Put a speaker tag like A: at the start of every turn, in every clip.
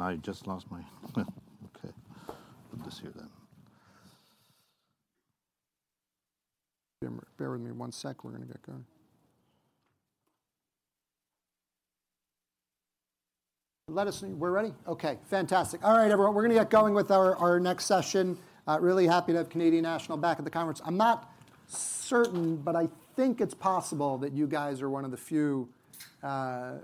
A: I just lost my. Okay. Put this here then.
B: Bear with me sec. We're gonna get going. We're ready? Okay, fantastic. All right, everyone, we're gonna get going with our next session. Really happy to have Canadian National back at the conference. I'm not certain, but I think it's possible that you guys are one of the few that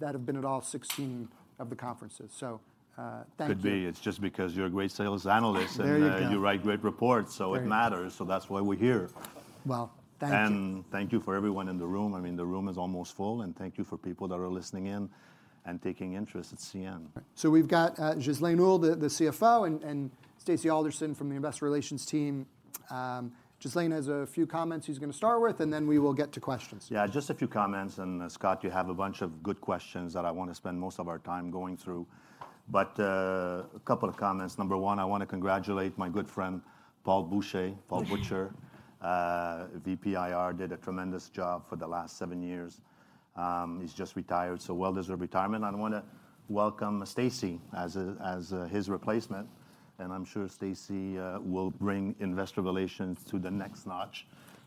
B: have been at all 16 of the conferences. Thank you.
A: Could be. It's just because you're a great sales analyst and-
B: There you go....
A: you write great reports, so it matters.
B: Very good.
A: That's why we're here.
B: Well, thank you.
A: Thank you for everyone in the room. I mean, the room is almost full, and thank you for people that are listening in and taking interest at CN.
B: We've got Ghislain Houle, the CFO, and Stacy Alderson from the investor relations team. Ghislain has a few comments he's gonna start with. We will get to questions.
A: Yeah, just a few comments. Scott, you have a bunch of good questions that I wanna spend most of our time going through. A couple of comments. Number one, I wanna congratulate my good friend, Paul Butcher. Paul Butcher, VP IR, did a tremendous job for the last seven years. He's just retired, so well-deserved retirement. I wanna welcome Stacy as his replacement, and I'm sure Stacy will bring investor relations to the next notch,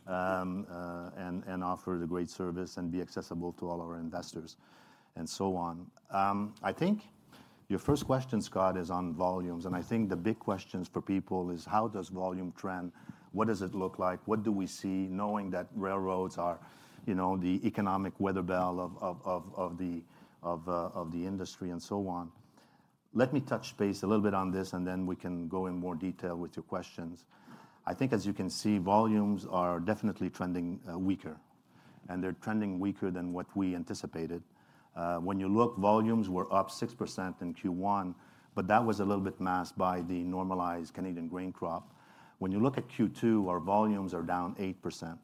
A: and offer the great service and be accessible to all our investors and so on. I think your first question, Scott, is on volumes, and I think the big questions for people is how does volume trend? What does it look like? What do we see knowing that railroads are, you know, the economic weather bell of the industry and so on. Let me touch base a little bit on this, then we can go in more detail with your questions. I think as you can see, volumes are definitely trending weaker, and they're trending weaker than what we anticipated. When you look, volumes were up 6% in Q1, but that was a little bit masked by the normalized Canadian grain crop. When you look at Q2, our volumes are down 8%.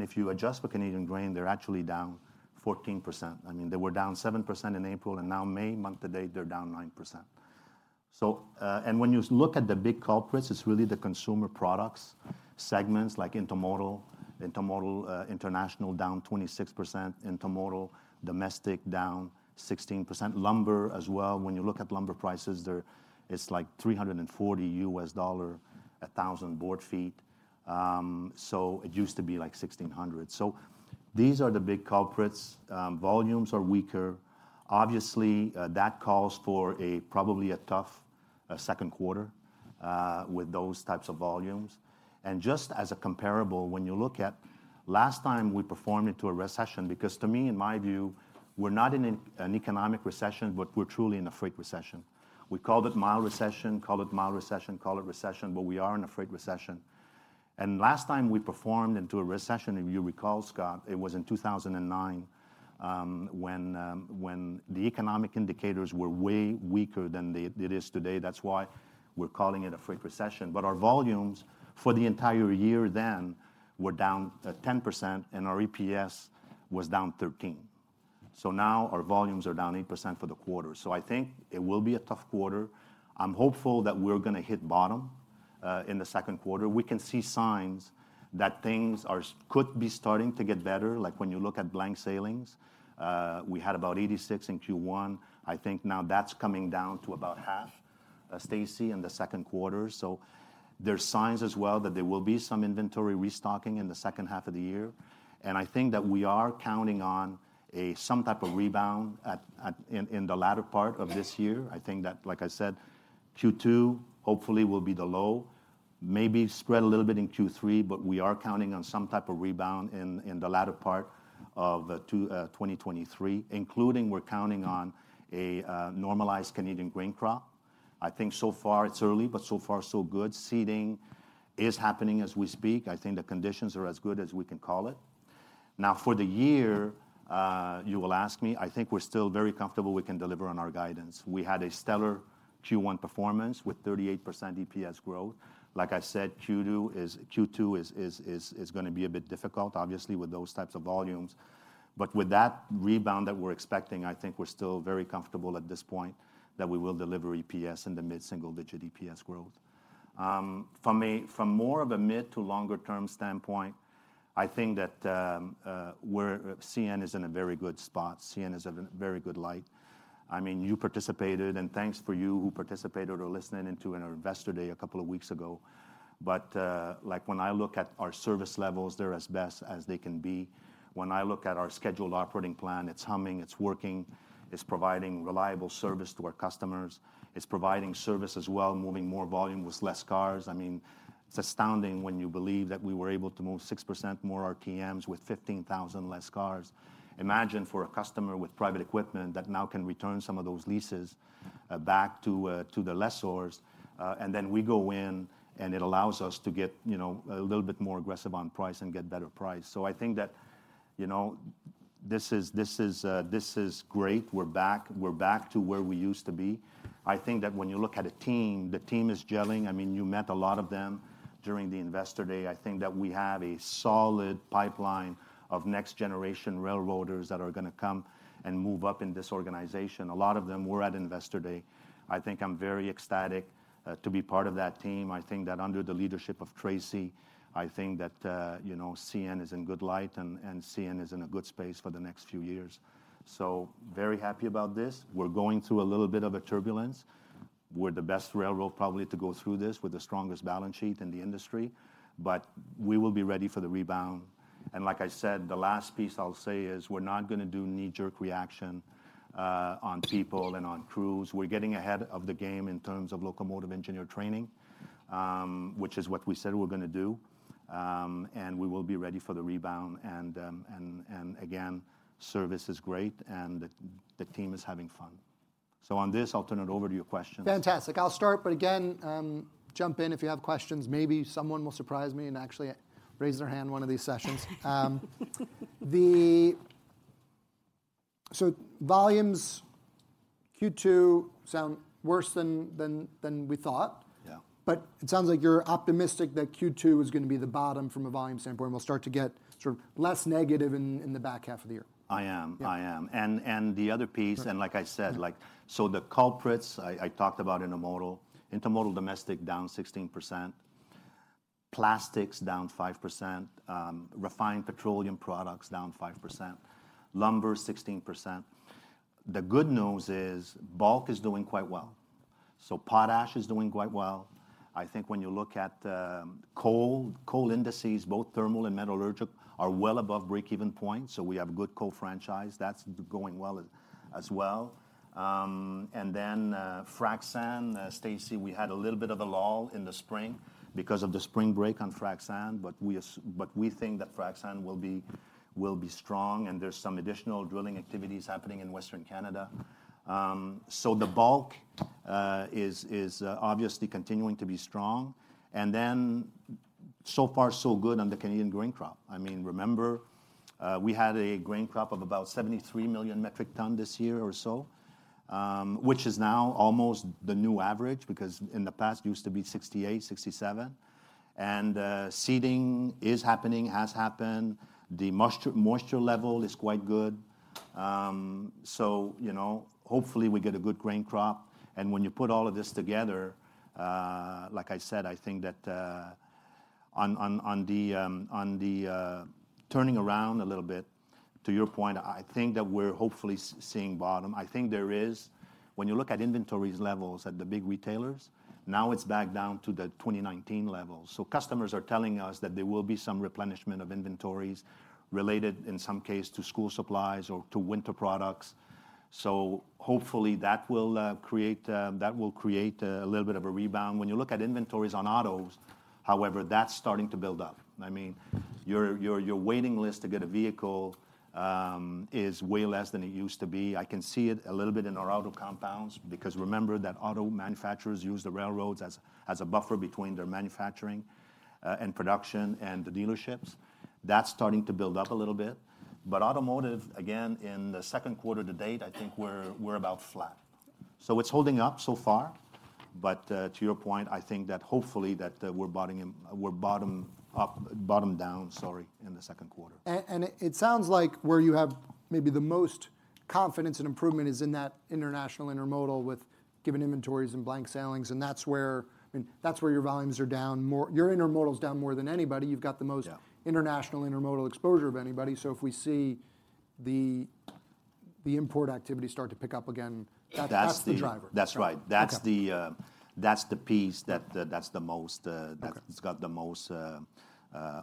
A: If you adjust for Canadian grain, they're actually down 14%. I mean, they were down 7% in April. Now May month to date, they're down 9%. When you look at the big culprits, it's really the consumer products, segments like intermodal. Intermodal international down 26%, intermodal domestic down 16%. Lumber as well. When you look at lumber prices, it's like $340 US dollar 1,000 board feet. It used to be like 1,600. These are the big culprits. Volumes are weaker. Obviously, that calls for a probably a tough second quarter with those types of volumes. Just as a comparable, when you look at last time we performed into a recession, because to me, in my view, we're not in an economic recession, but we're truly in a freight recession. We call it mild recession, call it recession, but we are in a freight recession. Last time we performed into a recession, if you recall, Scott, it was in 2009 when the economic indicators were way weaker than they it is today. That's why we're calling it a freight recession. Our volumes for the entire year then were down 10% and our EPS was down 13%. Now our volumes are down 8% for the quarter. I think it will be a tough quarter. I'm hopeful that we're gonna hit bottom in the second quarter. We can see signs that things could be starting to get better, like when you look at blank sailings. We had about 86 in Q1. I think now that's coming down to about half, Stacy, in the second quarter. There's signs as well that there will be some inventory restocking in the second half of the year. We are counting on some type of rebound in the latter part of this year. Like I said, Q2 hopefully will be the low, maybe spread a little bit in Q3, but we are counting on some type of rebound in the latter part of 2023, including we're counting on a normalized Canadian grain crop. So far, it's early, but so far so good. Seeding is happening as we speak. The conditions are as good as we can call it. For the year, you will ask me, we're still very comfortable we can deliver on our guidance. We had a stellar Q1 performance with 38% EPS growth. Like I said, Q2 is gonna be a bit difficult, obviously, with those types of volumes. With that rebound that we're expecting, I think we're still very comfortable at this point that we will deliver EPS in the mid-single-digit EPS growth. From more of a mid to longer term standpoint, I think that CN is in a very good spot. CN is in a very good light. I mean, you participated, and thanks for you who participated or listening in to our investor day a couple of weeks ago. Like, when I look at our service levels, they're as best as they can be. When I look at our scheduled operating plan, it's humming, it's working, it's providing reliable service to our customers, it's providing service as well, moving more volume with less cars. I mean, it's astounding when you believe that we were able to move 6% more RPMs with 15,000 less cars. Imagine for a customer with private equipment that now can return some of those leases back to the lessors, and then we go in and it allows us to get, you know, a little bit more aggressive on price and get better price. I think that, you know, this is great. We're back. We're back to where we used to be. I think that when you look at a team, the team is gelling. I mean, you met a lot of them during the investor day. I think that we have a solid pipeline of next-generation railroaders that are gonna come and move up in this organization. A lot of them were at Investor Day. I think I'm very ecstatic to be part of that team. I think that under the leadership of Tracy, I think that, you know, CN is in good light and CN is in a good space for the next few years. Very happy about this. We're going through a little bit of a turbulence. We're the best railroad probably to go through this with the strongest balance sheet in the industry, but we will be ready for the rebound. Like I said, the last piece I'll say is we're not gonna do knee-jerk reaction on people and on crews. We're getting ahead of the game in terms of locomotive engineer training, which is what we said we're gonna do. We will be ready for the rebound and again, service is great and the team is having fun. On this, I'll turn it over to your questions.
B: Fantastic. I'll start, but again, jump in if you have questions. Maybe someone will surprise me and actually raise their hand one of these sessions. Volumes Q2 sound worse than we thought.
A: Yeah.
B: It sounds like you're optimistic that Q2 is going to be the bottom from a volume standpoint and we'll start to get sort of less negative in the back half of the year.
A: I am.
B: Yeah.
A: I am. The other piece-
B: Okay
A: Like I said, like, so the culprits I talked about intermodal. Intermodal domestic down 16%, plastics down 5%, refined petroleum products down 5%, lumber 16%. The good news is bulk is doing quite well. Potash is doing quite well. I think when you look at coal indices, both thermal and metallurgical are well above break-even point, so we have a good coal franchise. That's going well as well. Then frac sand, Stacy, we had a little bit of a lull in the spring because of the spring break on frac sand, but we think that frac sand will be strong, and there's some additional drilling activities happening in Western Canada. The bulk is obviously continuing to be strong. So far so good on the Canadian grain crop. I mean, remember, we had a grain crop of about 73 million metric ton this year or so, which is now almost the new average because in the past used to be 68, 67. Seeding is happening, has happened. The moisture level is quite good. You know, hopefully we get a good grain crop. When you put all of this together, like I said, I think that on the turning around a little bit to your point, I think that we're hopefully seeing bottom. I think there is. When you look at inventories levels at the big retailers, now it's back down to the 2019 levels. Customers are telling us that there will be some replenishment of inventories related in some case to school supplies or to winter products. Hopefully that will create a little bit of a rebound. When you look at inventories on autos, however, that's starting to build up. I mean, your waiting list to get a vehicle is way less than it used to be. I can see it a little bit in our auto compounds because remember that auto manufacturers use the railroads as a buffer between their manufacturing and production and the dealerships. That's starting to build up a little bit. Automotive, again, in the second quarter to date, I think we're about flat. It's holding up so far. to your point, I think that hopefully that, we're bottom up, bottom down, sorry, in the second quarter.
B: It sounds like where you have maybe the most confidence and improvement is in that international intermodal with given inventories and blank sailings. That's where, I mean, that's where your volumes are down more. Your intermodal's down more than anybody. You've got the most.
A: Yeah
B: international intermodal exposure of anybody. If we see the import activity start to pick up again.
A: That's the-...
B: that's the driver.
A: That's right.
B: Okay.
A: That's the that's the piece that's the most.
B: Okay...
A: that's got the most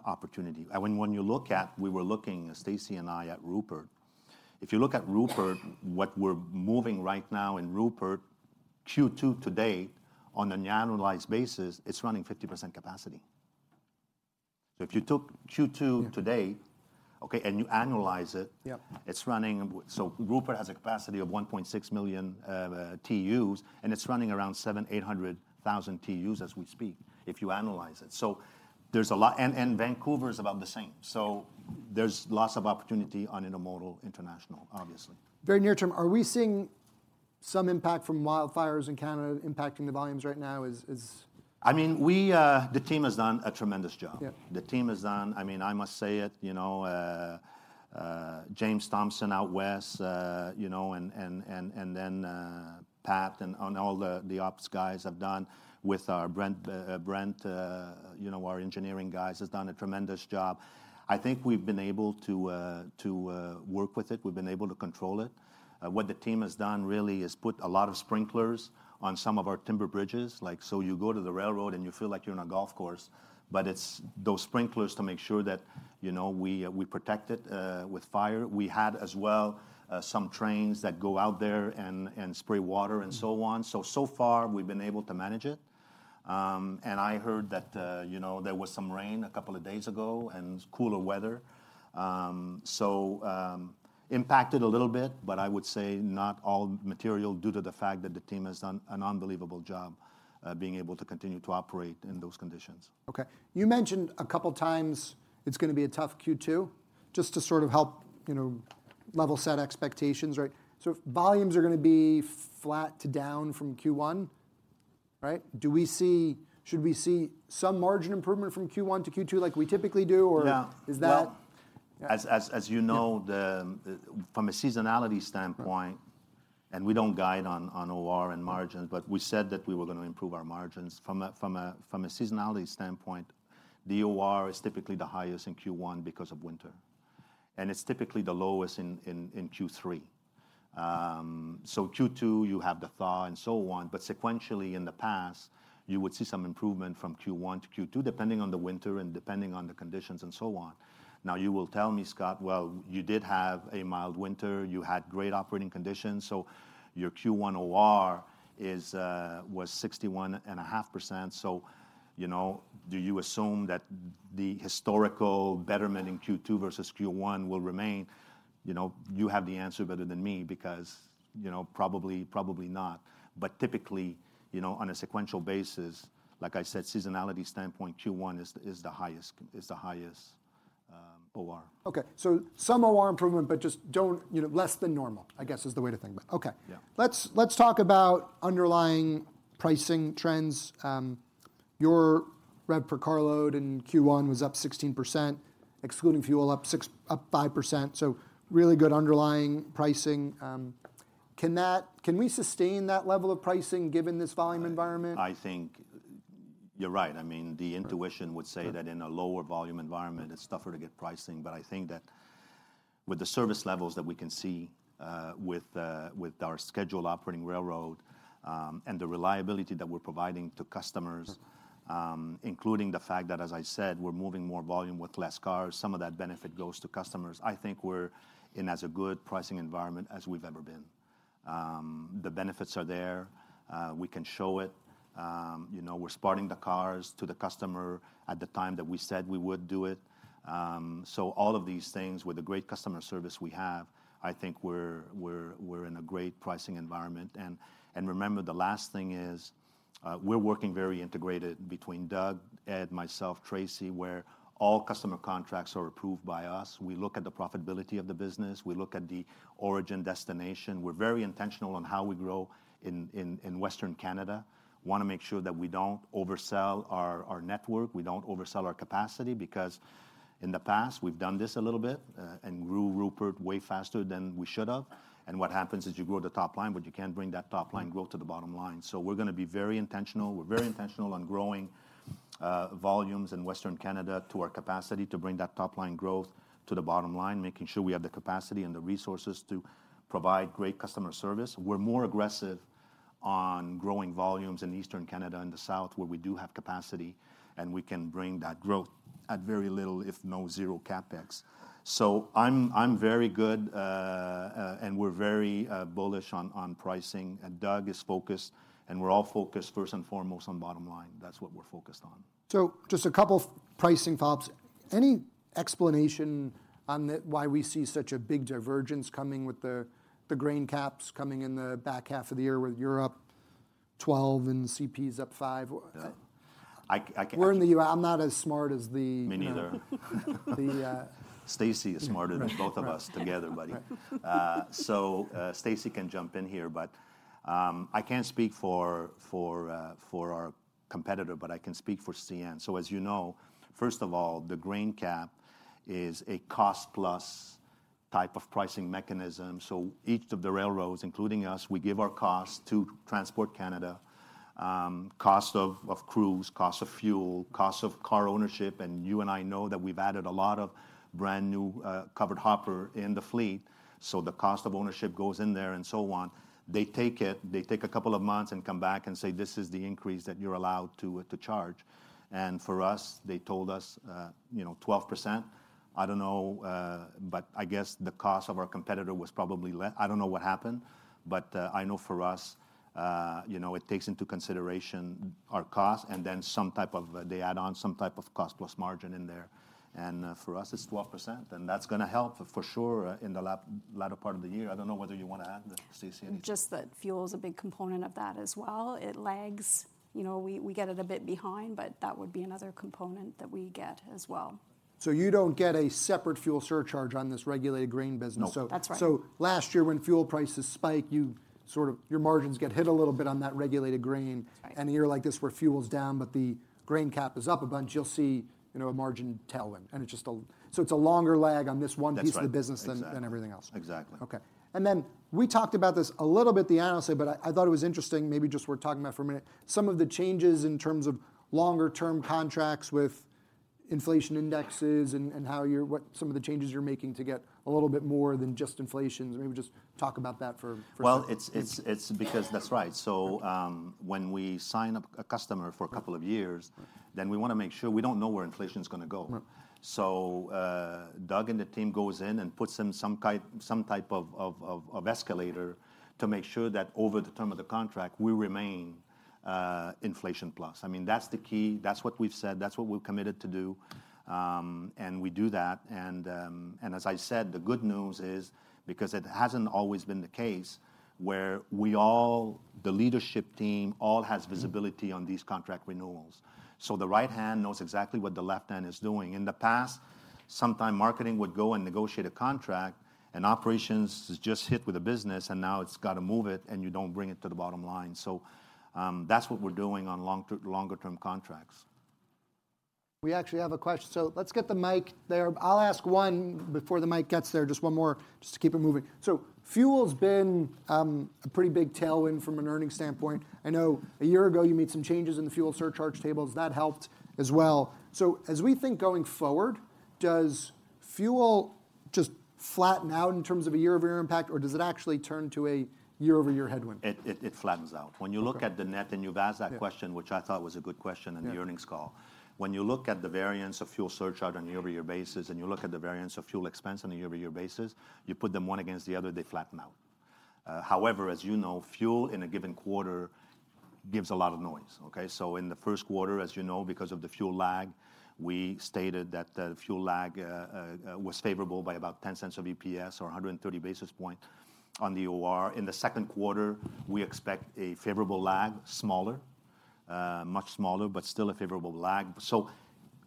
A: opportunity. When you look at, we were looking, Stacy and I, at Rupert. If you look at Rupert, what we're moving right now in Rupert, Q2 to date on an annualized basis, it's running 50% capacity. If you took Q2.
B: Yeah...
A: to date, okay, and you annualize it-
B: Yeah
A: Rupert has a capacity of 1.6 million TUs, and it's running around 700,000-800,000 TUs as we speak, if you analyze it. There's a lot. Vancouver's about the same. There's lots of opportunity on intermodal international, obviously.
B: Very near term, are we seeing some impact from wildfires in Canada impacting the volumes right now?
A: I mean, we, the team has done a tremendous job.
B: Yeah.
A: The team has done, I mean, I must say it, you know, James Thompson out west, you know, and then Pat and all the ops guys have done with our Brent, our engineering guys has done a tremendous job. I think we've been able to work with it. We've been able to control it. What the team has done really is put a lot of sprinklers on some of our timber bridges. Like, so you go to the railroad and you feel like you're in a golf course, but it's those sprinklers to make sure that, you know, we protect it with fire. We had as well, some trains that go out there and spray water and so on. So far we've been able to manage it. I heard that, you know, there was some rain a couple of days ago and cooler weather. Impacted a little bit, but I would say not all material due to the fact that the team has done an unbelievable job, being able to continue to operate in those conditions.
B: Okay. You mentioned a couple times it's gonna be a tough Q2, just to sort of help, you know, level set expectations, right? If volumes are gonna be flat to down from Q1-Right? Should we see some margin improvement from Q1 to Q2 like we typically do?
A: Yeah.
B: is that-.
A: Well, as you know...
B: Yeah...
A: from a seasonality standpoint, we don't guide on OR and margins, but we said that we were gonna improve our margins. From a seasonality standpoint, the OR is typically the highest in Q1 because of winter, it's typically the lowest in Q3. Q2 you have the thaw and so on, sequentially in the past you would see some improvement from Q1 to Q2 depending on the winter and depending on the conditions and so on. Now, you will tell me, Scott, "Well, you did have a mild winter, you had great operating conditions, your Q1 OR was 61.5%. You know, do you assume that the historical betterment in Q2 versus Q1 will remain?" You know, you have the answer better than me because, you know, probably not. Typically, you know, on a sequential basis, like I said, seasonality standpoint, Q1 is the highest OR.
B: Okay. Some OR improvement, but just don't, you know, less than normal, I guess is the way to think about it. Okay.
A: Yeah.
B: Let's talk about underlying pricing trends. Your rev per car load in Q1 was up 16%, excluding fuel up 6%, up 5%, so really good underlying pricing. Can we sustain that level of pricing given this volume environment?
A: I think you're right. I mean, the intuition would say that in a lower volume environment it's tougher to get pricing. I think that with the service levels that we can see, with our scheduled operating railroad, and the reliability that we're providing to customers.
B: Mm
A: including the fact that, as I said, we're moving more volume with less cars, some of that benefit goes to customers. I think we're in as a good pricing environment as we've ever been. The benefits are there. We can show it. You know, we're spotting the cars to the customer at the time that we said we would do it. All of these things with the great customer service we have, I think we're in a great pricing environment. Remember, the last thing is, we're working very integrated between Doug, Ed, myself, Tracy, where all customer contracts are approved by us. We look at the profitability of the business. We look at the origin destination. We're very intentional on how we grow in Western Canada. Want to make sure that we don't oversell our network, we don't oversell our capacity because in the past we've done this a little bit, and grew Rupert way faster than we should have. What happens is you grow the top line, but you can't bring that top line growth to the bottom line. We're gonna be very intentional. We're very intentional on growing volumes in Western Canada to our capacity to bring that top line growth to the bottom line, making sure we have the capacity and the resources to provide great customer service. We're more aggressive on growing volumes in Eastern Canada and the South where we do have capacity, and we can bring that growth at very little, if no, zero CapEx. I'm very good, and we're very bullish on pricing. Doug is focused and we're all focused first and foremost on bottom line. That's what we're focused on.
B: Just a couple pricing thoughts. Any explanation on the, why we see such a big divergence coming with the grain caps coming in the back half of the year with your up 12 and CP's up five?
A: Yeah.
B: We're in the... I'm not as smart as the-
A: Me neither....
B: you know.
A: Stacy is smarter-
B: Yeah. Right, right
A: than both of us together, buddy.
B: Right.
A: Stacy can jump in here, but I can't speak for our competitor, but I can speak for CN. As you know, first of all, the grain cap is a cost plus type of pricing mechanism, so each of the railroads, including us, we give our cost to Transport Canada, cost of crews, cost of fuel, cost of car ownership, and you and I know that we've added a lot of brand new covered hopper in the fleet, so the cost of ownership goes in there and so on. They take it, they take a couple of months and come back and say, "This is the increase that you're allowed to charge." For us, they told us, you know, 12%. I don't know. I guess the cost of our competitor was probably I don't know what happened. I know for us, you know, it takes into consideration our cost and then some type of, they add on some type of cost plus margin in there, and, for us it's 12%. That's gonna help for sure, in the latter part of the year. I don't know whether you wanna add, Stacy, anything.
C: Just that fuel's a big component of that as well. It lags, you know, we get it a bit behind. That would be another component that we get as well.
B: You don't get a separate fuel surcharge on this regulated grain business?
A: No.
C: That's right.
B: Last year when fuel prices spike, you sort of, your margins get hit a little bit on that regulated grain.
C: That's right.
B: A year like this where fuel's down, but the grain cap is up a bunch, you'll see, you know, a margin tailwind. It's a longer lag on this one piece.
A: That's right....
B: of the business than everything else.
A: Exactly.
B: Okay. We talked about this a little bit at the analyst day, but I thought it was interesting, maybe just worth talking about for a minute, some of the changes in terms of longer term contracts with inflation indexes and how you're, what some of the changes you're making to get a little bit more than just inflation. Maybe just talk about that for a second.
A: Well, it's because that's right. When we sign up a customer for a couple of years, then we wanna make sure, we don't know where inflation's gonna go.
B: Right.
A: Doug and the team goes in and puts in some type of escalator to make sure that over the term of the contract we remain inflation plus. I mean, that's the key. That's what we've said. That's what we're committed to do. We do that. As I said, the good news is, because it hasn't always been the case, where we all, the leadership team all has visibility on these contract renewals, so the right hand knows exactly what the left hand is doing. In the past, sometimes marketing would go and negotiate a contract. Operations is just hit with the business, and now it's gotta move it, and you don't bring it to the bottom line. That's what we're doing on longer term contracts.
B: We actually have a question, let's get the mic there. I'll ask one before the mic gets there. Just one more, just to keep it moving. Fuel's been a pretty big tailwind from an earnings standpoint. I know a year ago you made some changes in the fuel surcharge tables. That helped as well. As we think going forward, does fuel just flatten out in terms of a year-over-year impact, or does it actually turn to a year-over-year headwind?
A: It flattens out.
B: Okay.
A: When you look at the net, and you've asked that question.
B: Yeah
A: which I thought was a good question in the earnings call.
B: Yeah.
A: You look at the variance of fuel surcharge on a year-over-year basis and you look at the variance of fuel expense on a year-over-year basis, you put them one against the other, they flatten out. However, as you know, fuel in a given quarter gives a lot of noise, okay? In the first quarter, as you know, because of the fuel lag, we stated that the fuel lag was favorable by about 0.10 of EPS or 130 basis points on the OR. In the second quarter, we expect a favorable lag, smaller, much smaller, but still a favorable lag.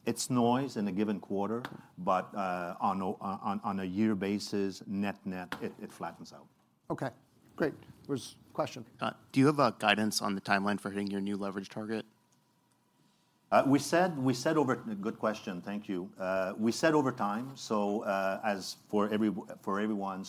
A: It's noise in a given quarter, but on a year basis, net-net, it flattens out.
B: Okay, great. There's a question. Do you have a guidance on the timeline for hitting your new leverage target?
A: Good question, thank you. We said over time for everyone.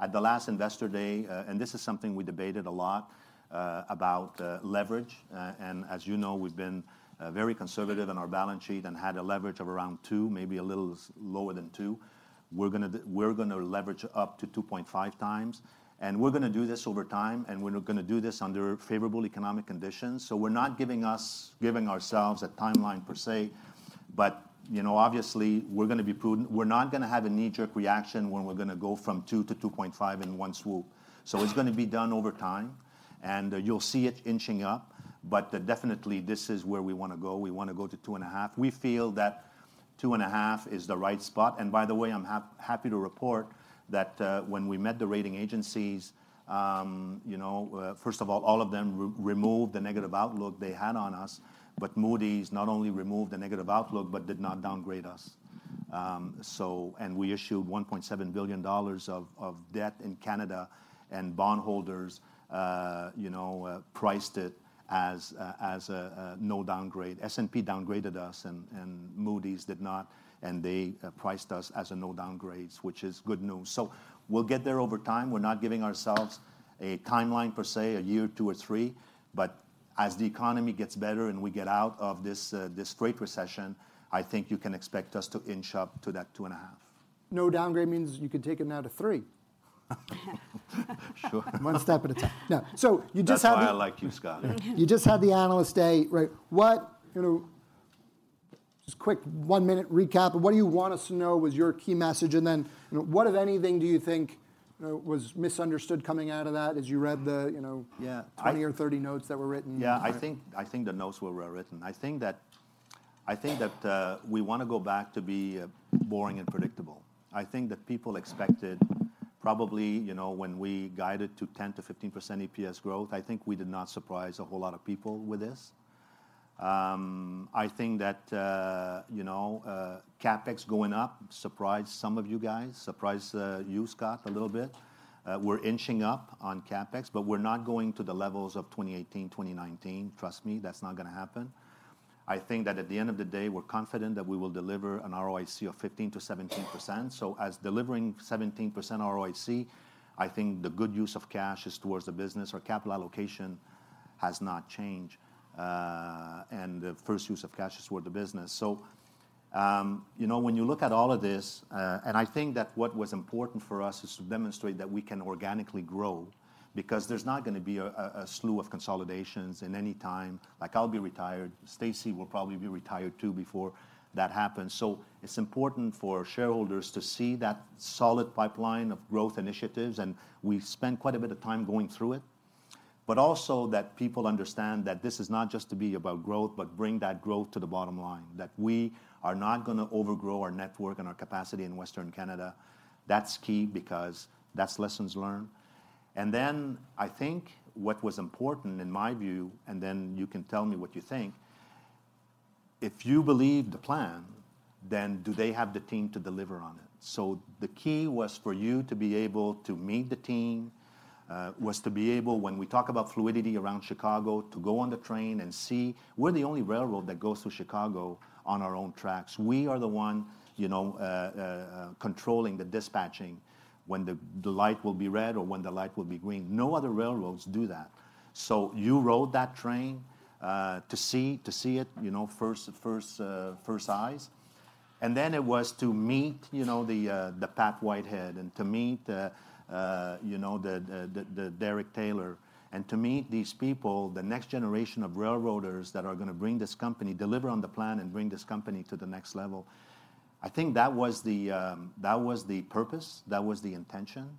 A: At the last investor day, and this is something we debated a lot about leverage. And as you know, we've been very conservative on our balance sheet and had a leverage of around two, maybe a little lower than two. We're gonna leverage up to 2.5x, and we're gonna do this over time, and we're gonna do this under favorable economic conditions. We're not giving ourselves a timeline per se, but, you know, obviously we're gonna be prudent. We're not gonna have a knee-jerk reaction when we're gonna go from two to 2.5 in one swoop. It's gonna be done over time, you'll see it inching up, definitely this is where we wanna go. We wanna go to two and a half. We feel that two and a half is the right spot. By the way, I'm happy to report that when we met the rating agencies, you know, first of all of them removed the negative outlook they had on us. Moody's not only removed the negative outlook but did not downgrade us. We issued 1.7 billion dollars of debt in Canada, and bondholders, you know, priced it as a no downgrade. S&P downgraded us and Moody's did not, they priced us as a no downgrades, which is good news. We'll get there over time. We're not giving ourselves a timeline per se, a year, two, or three. As the economy gets better and we get out of this freight recession, I think you can expect us to inch up to that 2.5.
B: No downgrade means you can take it now to three.
A: Sure.
B: One step at a time. No. You just had.
A: That's why I like you, Scott.
B: You just had the Analyst Day, right? What, you know, just quick one-minute recap, what do you want us to know was your key message? Then, you know, what, if anything, do you think, you know, was misunderstood coming out of that as you read the, you know...
A: Yeah....
B: 20 or 30 notes that were written?
A: Yeah-
B: Right
A: I think the notes were well written. I think that, we wanna go back to being boring and predictable. I think that people expected probably, you know, when we guided to 10%-15% EPS growth, I think we did not surprise a whole lot of people with this. I think that, you know, CapEx going up surprised some of you guys, surprised, you, Scott, a little bit. We're inching up on CapEx, but we're not going to the levels of 2018, 2019. Trust me, that's not gonna happen. I think that at the end of the day, we're confident that we will deliver an ROIC of 15%-17%. As delivering 17% ROIC, I think the good use of cash is towards the business. Our capital allocation has not changed. The first use of cash is for the business. You know, when you look at all of this, I think that what was important for us is to demonstrate that we can organically grow because there's not gonna be a slew of consolidations in any time. Like, I'll be retired, Stacy will probably be retired too before that happens. It's important for shareholders to see that solid pipeline of growth initiatives, we've spent quite a bit of time going through it. Also that people understand that this is not just to be about growth, but bring that growth to the bottom line, that we are not gonna overgrow our network and our capacity in Western Canada. That's key because that's lessons learned. I think what was important in my view, you can tell me what you think. If you believe the plan, then do they have the team to deliver on it? The key was for you to be able to meet the team, was to be able, when we talk about fluidity around Chicago, to go on the train and see we're the only railroad that goes through Chicago on our own tracks. We are the one, you know, controlling the dispatching when the light will be red or when the light will be green. No other railroads do that. You rode that train, to see it, you know, first eyes. Then it was to meet, you know, the Patrick Whitehead and to meet, you know, the Derek Taylor and to meet these people, the next generation of railroaders that are gonna bring this company, deliver on the plan and bring this company to the next level. I think that was the, that was the purpose, that was the intention.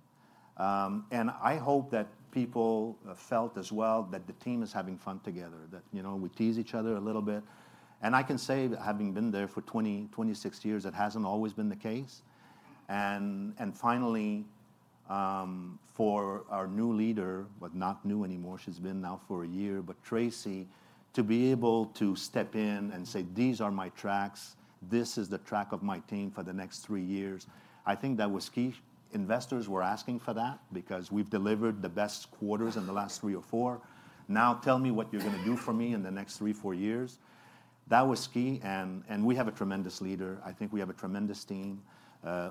A: I hope that people felt as well that the team is having fun together, that, you know, we tease each other a little bit. I can say that having been there for 26 years, it hasn't always been the case. Finally, for our new leader, but not new anymore, she's been now for a year, but Tracy to be able to step in and say, "These are my tracks. This is the track of my team for the next three years. I think that was key. Investors were asking for that because we've delivered the best quarters in the last three or four, "Now tell me what you're gonna do for me in the next three, four years." That was key and we have a tremendous leader. I think we have a tremendous team.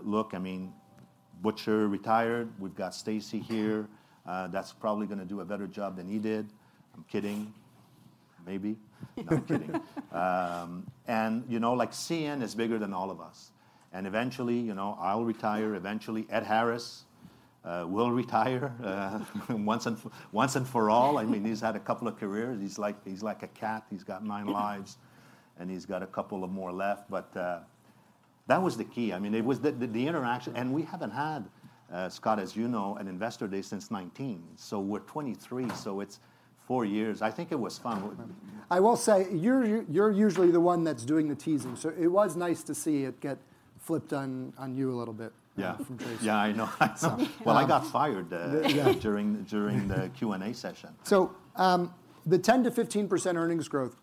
A: Look, I mean, Butcher retired, we've got Stacy here, that's probably gonna do a better job than he did. I'm kidding. Maybe. No, I'm kidding. You know, like, CN is bigger than all of us, and eventually, you know, I'll retire. Eventually, Edmond Harris will retire once and for all. I mean, he's had a couple of careers. He's like a cat. He's got nine lives, and he's got a couple of more left, but that was the key. I mean, it was the interaction. We haven't had, Scott, as you know, an Investor Day since 2019, so we're 2023, so it's four years. I think it was fun.
B: I will say, you're usually the one that's doing the teasing, so it was nice to see it get flipped on you a little bit.
A: Yeah
B: from Tracy.
A: Yeah, I know. I saw.
B: Um-
A: Well, I got fired.
B: Yeah...
A: during the Q&A session.
B: The 10%-15% earnings growth.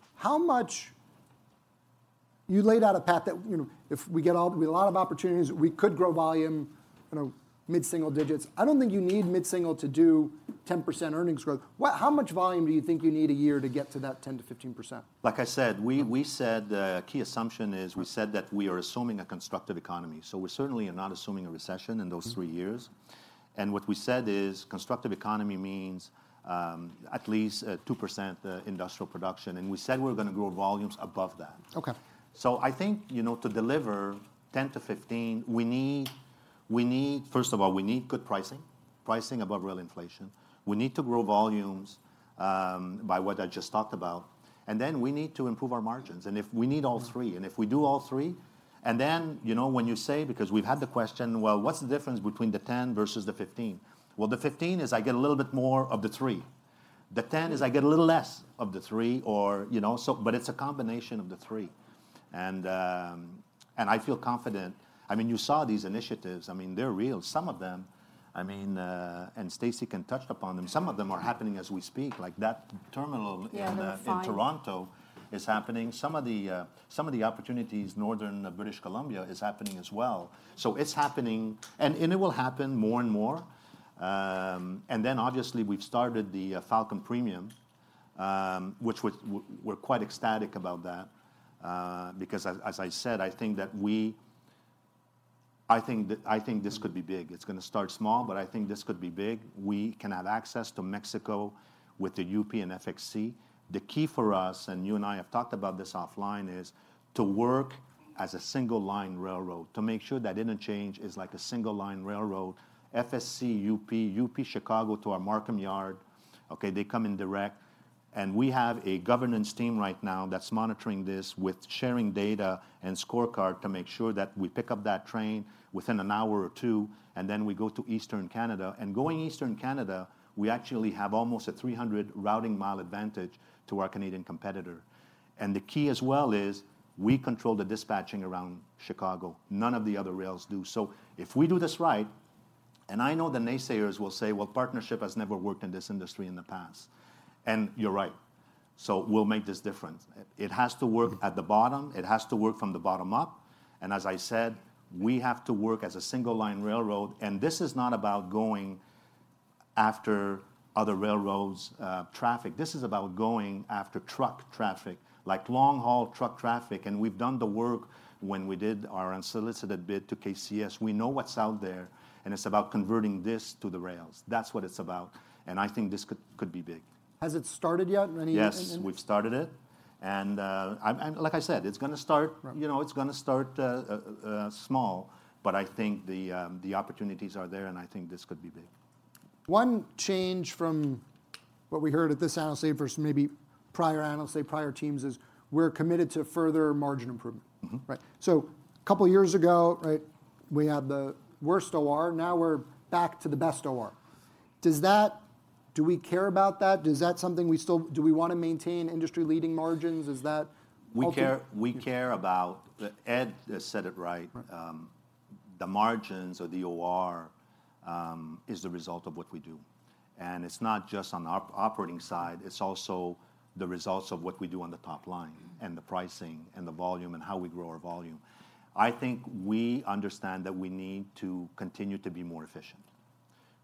B: You laid out a path that, you know, if we get all, we have a lot of opportunities, we could grow volume, you know, mid-single digits. I don't think you need mid-single to do 10% earnings growth. How much volume do you think you need a year to get to that 10%-15%?
A: Like I said, we said, the key assumption is we said that we are assuming a constructive economy, so we certainly are not assuming a recession in those three years. What we said is constructive economy means, at least, 2% industrial production, and we said we're gonna grow volumes above that.
B: Okay.
A: I think, you know, to deliver 10%-15%, we need, first of all, we need good pricing above real inflation. We need to grow volumes by what I just talked about, and then we need to improve our margins. If, we need all three. If we do all three. You know, when you say because we've had the question, "Well, what's the difference between the 10% versus the 15%?" Well, the 15% is I get a little bit more of the three. The 10% is I get a little less of the three or, you know, so but it's a combination of the three. I feel confident. I mean, you saw these initiatives. I mean, they're real. Some of them, I mean, Stacy touched upon them. Some of them are happening as we speak. Like that terminal...
C: Yeah, that was fine.
A: in Toronto is happening. Some of the opportunities, northern British Columbia is happening as well. It's happening and it will happen more and more. Obviously we've started the Falcon Premium, which we're quite ecstatic about that because as I said, I think that we, I think this could be big. It's gonna start small, but I think this could be big. We can have access to Mexico with the UP and FXE. The key for us, and you and I have talked about this offline, is to work as a single line railroad to make sure that interchange is like a single line railroad. FXE, UP Chicago to our Markham Yard, okay, they come in direct. We have a governance team right now that's monitoring this with sharing data and scorecard to make sure that we pick up that train within an hour or two and then we go to Eastern Canada. Going Eastern Canada, we actually have almost a 300 routing mile advantage to our Canadian competitor. The key as well is we control the dispatching around Chicago. None of the other rails do. If we do this right, and I know the naysayers will say, "Well, partnership has never worked in this industry in the past," and you're right. We'll make this different. It has to work at the bottom. It has to work from the bottom up and as I said, we have to work as a single line railroad. This is not about going after other railroad's traffic. This is about going after truck traffic, like long haul truck traffic. We've done the work when we did our unsolicited bid to KCS. We know what's out there. It's about converting this to the rails. That's what it's about. I think this could be big.
B: Has it started yet? Any.
A: Yes, we've started it. Like I said, it's gonna start.
B: Right...
A: you know, it's gonna start small, but I think the opportunities are there, and I think this could be big.
B: One change from what we heard at this analyst day versus maybe prior analyst day, prior teams is we're committed to further margin improvement.
A: Mm-hmm.
B: Right. Couple years ago, right, we had the worst OR. Now we're back to the best OR. Do we care about that? Do we wanna maintain industry leading margins? Is that ultimately...?
A: We care about, Ed has said it. Right. The margins or the OR is the result of what we do, and it's not just on the operating side. It's also the results of what we do on the top line.
B: Mm-hmm...
A: and the pricing and the volume and how we grow our volume. I think we understand that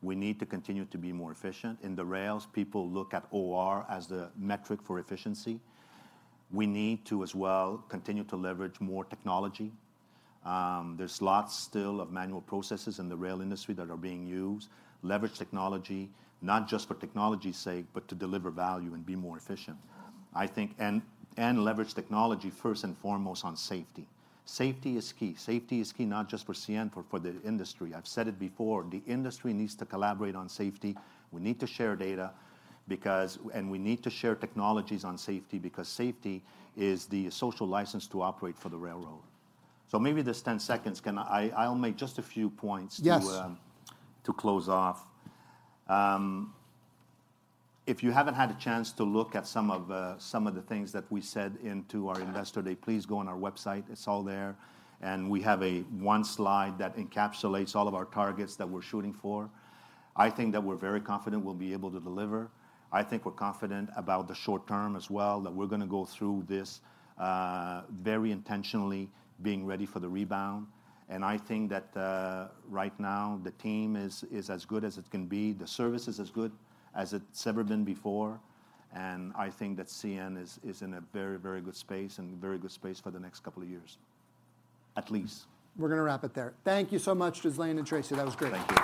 A: we need to continue to be more efficient. In the rails, people look at OR as the metric for efficiency. We need to, as well, continue to leverage more technology. There's lots still of manual processes in the rail industry that are being used. Leverage technology, not just for technology's sake, but to deliver value and be more efficient. I think, and leverage technology first and foremost on safety. Safety is key. Safety is key, not just for CN, for the industry. I've said it before, the industry needs to collaborate on safety. We need to share data because, and we need to share technologies on safety because safety is the social license to operate for the railroad. Maybe this 10 seconds I'll make just a few points.
B: Yes...
A: to close off. If you haven't had a chance to look at some of the things that we said into our Investor Day, please go on our website. It's all there. We have a one slide that encapsulates all of our targets that we're shooting for. I think that we're very confident we'll be able to deliver. I think we're confident about the short term as well, that we're gonna go through this very intentionally, being ready for the rebound, and I think that right now the team is as good as it can be. The service is as good as it's ever been before, and I think that CN is in a very, very good space and very good space for the next couple of years at least.
B: We're gonna wrap it there. Thank you so much to Ghislain and Tracy. That was great.
A: Thank you.